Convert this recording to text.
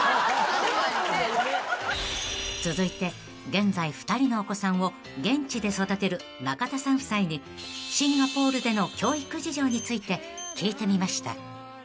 ［続いて現在２人のお子さんを現地で育てる中田さん夫妻にシンガポールでの教育事情について聞いてみました］